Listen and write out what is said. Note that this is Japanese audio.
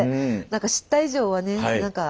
何か知った以上はね何か。